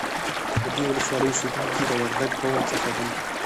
د دې ولسوالۍ اوسیدونکي د وردگ قوم څخه دي